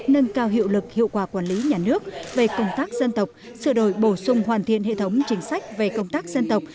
nâng cao hiệu lực hiệu quả quản lý nhà nước về công tác dân tộc sửa đổi bổ sung hoàn thiện hệ thống chính sách về công tác dân tộc